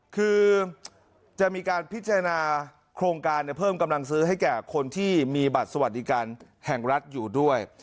คือจะมีการพิจารณาโครงการเพิ่มกำลังซื้อให้แก่คนที่มีบัตรสวัสดิการแห่งรัฐอยู่ด้วย